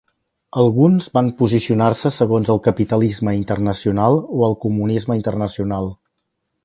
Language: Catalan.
Alguns van posicionar-se segons el capitalisme internacional o el comunisme internacional.